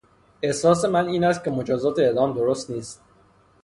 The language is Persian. احساس من این است که مجازات اعدام درست نیست.